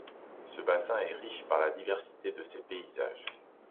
Ce bassin est riche par la diversité de ses paysages.